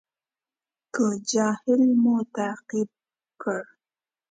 که جاهل مو تعقیب کړ.